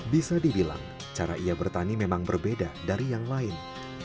bisa dibilang cara ia bertani memang berbeda dari yang lain